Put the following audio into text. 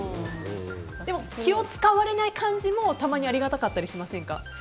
気を使われない感じも、たまにありがたかったりしませんか。